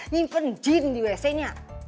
nyimpen jin di wc nya